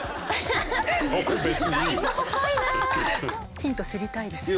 ヒント知りたいですよね。